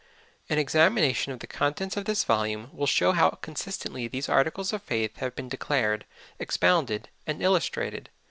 An examination of the contents of this volume will show how consistently these articles of faith have been declared, expounded, and illustrated.